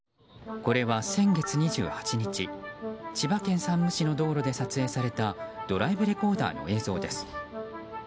これは先月２８日千葉県山武市の道路で撮影されたドライブレコーダーの映像です。